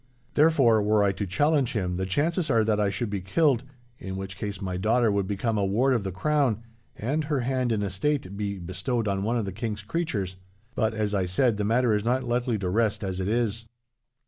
Therefore, were I to challenge him, the chances are that I should be killed, in which case my daughter would become a ward of the crown, and her hand and estate be bestowed on one of the king's creatures. But, as I said, the matter is not likely to rest as it is.